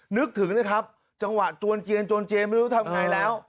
นึกถึงนะครับจังหวะจวนเจียนจวนเจียนไม่รู้ทำไงแล้ว